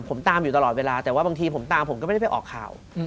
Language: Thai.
ผมตามอยู่ตลอดเวลาแต่ว่าบางทีผมตามผมก็ไม่ได้ไปออกข่าว